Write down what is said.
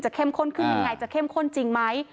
เข้มข้นขึ้นยังไงจะเข้มข้นจริงไหม